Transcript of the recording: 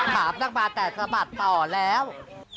ถามนักบาลแต่สะบัดต่อแล้ว